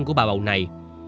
của bà bầu này